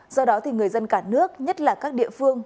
do đó thì người dân cả nước nhất là các địa phương